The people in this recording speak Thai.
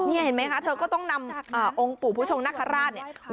เห็นไหมคะเธอก็ต้องนำองค์ปู่ผู้ชมนักฆราช